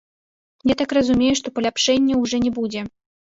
Я так разумею, што паляпшэнняў ўжо не будзе.